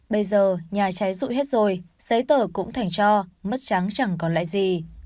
bây giờ nhà trái rụi hết rồi giấy tờ cũng thành trò mất trắng chẳng còn lại gì